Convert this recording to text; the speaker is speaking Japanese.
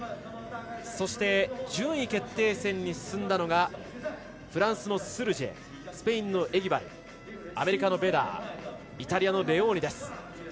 そして、順位決定戦に進んだのがフランスのスルジェスペインのエギバルアメリカのベダーイタリアのレオーニです。